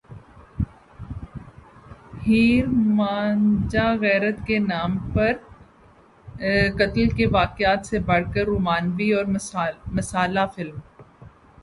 ہیر مان جا غیرت کے نام پر قتل کے واقعات سے بڑھ کر رومانوی اور مصالحہ فلم